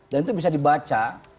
dan itu bisa dibaca